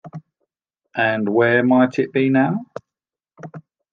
And where might it be now?